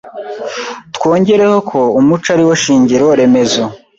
Twongereho ko umuco ari wo shingiro remezo